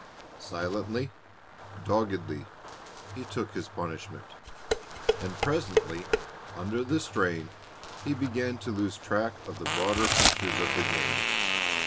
Silently, doggedly, he took his punishment, and presently, under the strain, he began to lose track of the broader features of the game.